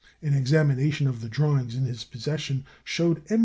An examination of the drawings in his possession showed M.